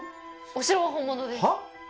お城は本物ですはっ？